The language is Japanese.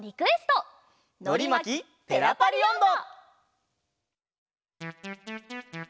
「のりまきペラパリおんど」。